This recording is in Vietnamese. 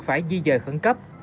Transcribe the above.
phải di dời khẩn cấp